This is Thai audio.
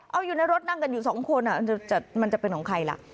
เอาอยู่ในรถนั่งกันอยู่สองคนมันจะเป็นของใครล่ะ